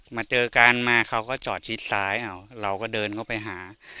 มาเจอกันมาเขาก็จอดชิดซ้ายเราก็เดินเข้าไปหา